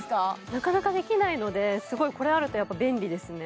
なかなかできないのでこれあるとやっぱ便利ですね